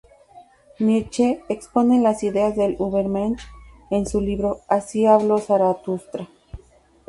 Nietzsche expone las ideas del "Übermensch" en su libro "Así habló Zaratustra".